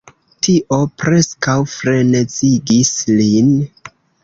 Tio preskaŭ frenezigis lin.